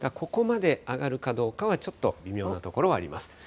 ここまで上がるかどうかは、ちょっと微妙なところはあります。